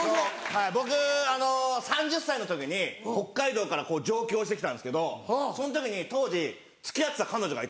はい僕あの３０歳の時に北海道から上京してきたんですけどその時に当時付き合ってた彼女がいたんですよ。